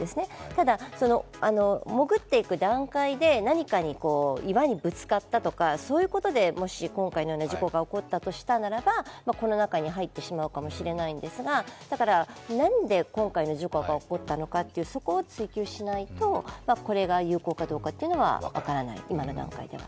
ただ、潜っていく段階で何か、岩にぶつかったとかそういうことでもし今回のような事故が起こったとしたならばこの中に入ってしまうかもしれないんですが、だから何で今回の事故が起こったのかっていう、そこを追及しないと、これが有効かどうかというのは分からない、今の段階では。